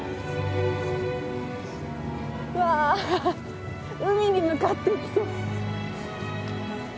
うわ海に向かっていきそう。